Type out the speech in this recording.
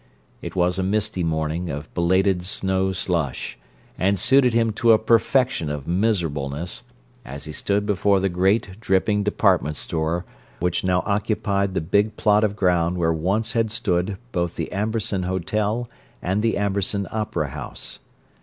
It was a misty morning of belated snow slush, and suited him to a perfection of miserableness, as he stood before the great dripping department store which now occupied the big plot of ground where once had stood both the Amberson Hotel and the Amberson Opera House.